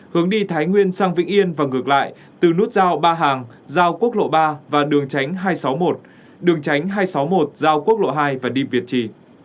hướng đi thái nguyên sang vĩnh yên và ngược lại từ nút giao ba hàng giao quốc lộ ba và đường tránh hai trăm sáu mươi một đường tránh hai trăm sáu mươi một giao quốc lộ hai và đi việt trì